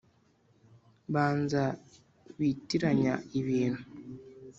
banza witiranya ibintu'